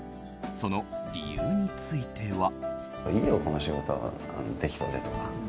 その理由については。